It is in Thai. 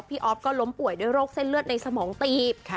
ออฟก็ล้มป่วยด้วยโรคเส้นเลือดในสมองตีบ